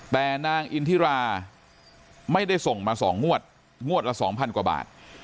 แต่นางอินทิราไม่ได้ส่งมา๒งวดงวดละ๒๐๐กว่าบาท